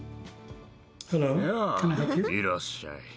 やあいらっしゃい。